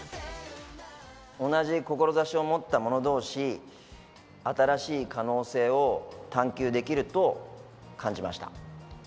同じ志を持った者どうし、新しい可能性を探求できると感じました。